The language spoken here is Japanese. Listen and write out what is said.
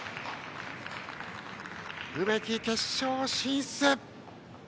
梅木、決勝進出！